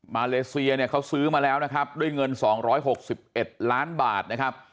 เลเซียเนี่ยเขาซื้อมาแล้วนะครับด้วยเงิน๒๖๑ล้านบาทนะครับ